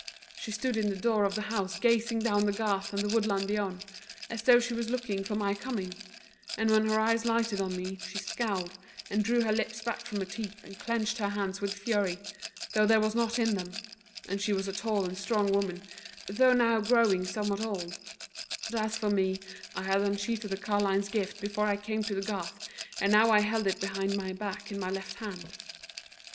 she stood in the door of the house gazing down the garth and the woodland beyond, as though she were looking for my coming: and when her eyes lighted on me, she scowled, and drew her lips back from her teeth and clenched her hands with fury, though there was nought in them; and she was a tall and strong woman, though now growing somewhat old: but as for me, I had unsheathed the carline's gift before I came to the garth, and now I held it behind my back in my left hand.